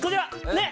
ねっ！